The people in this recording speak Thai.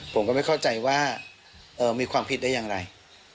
ผมก็ไม่เข้าใจว่ามีความผิดได้อย่างไร